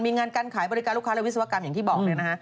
มีงานการขายบริการลูกค้าและวิศวกรรมอย่างที่บอกเลยนะฮะ